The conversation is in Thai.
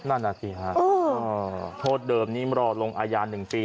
นั่นน่ะสิฮะโทษเดิมนี้รอลงอาญา๑ปี